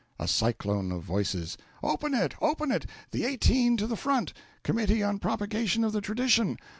A Cyclone of Voices. "Open it! Open it! The Eighteen to the front! Committee on Propagation of the Tradition!